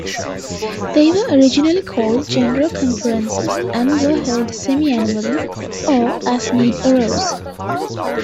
They were originally called General Conferences and were held semiannually, or as need arose.